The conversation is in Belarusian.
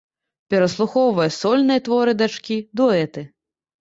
Пераслухоўвае сольныя творы дачкі, дуэты.